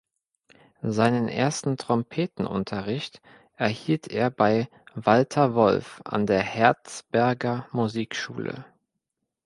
Seinen ersten Trompetenunterricht erhielt er bei Walter Wolf an der Herzberger Musikschule.